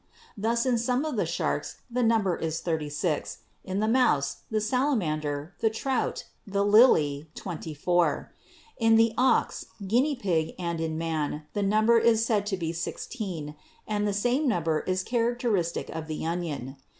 Thus in some of the sharks the number is thirty six ; in the mouse, the salamander, the trout, the lily, twen ty four; in the ox, guinea pig and in man the number is said to be sixteen and the same number is characteristic of the onion.